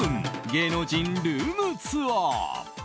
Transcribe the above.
芸能人ルームツアー！